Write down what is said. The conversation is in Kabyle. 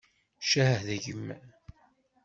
Ccah deg-m!